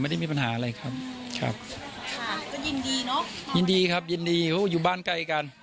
ไม่ได้มีปัญหาอะไรครับครับยินดีครับยินดีครับยินดีอยู่บ้านไกลกัน